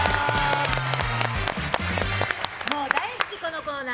大好き、このコーナー。